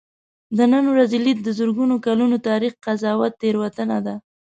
د نن ورځې لید د زرګونو کلونو تاریخ قضاوت تېروتنه ده.